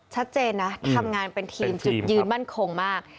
ชัดเจนนะทำงานเป็นทีมจุดยืนมั่นคงมาก